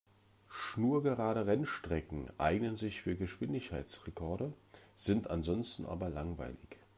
Schnurgerade Rennstrecken eignen sich für Geschwindigkeitsrekorde, sind ansonsten aber langweilig.